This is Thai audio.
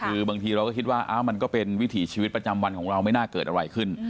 คือบางทีเราก็คิดว่ามันก็เป็นวิถีชีวิตประจำวันของเราไม่น่าเกิดอะไรขึ้น